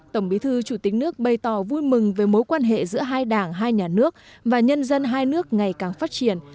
tổng bí thư chủ tịch nước bày tỏ vui mừng về mối quan hệ giữa hai đảng hai nhà nước và nhân dân hai nước ngày càng phát triển